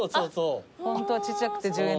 ホントはちっちゃくて１０円だったのに。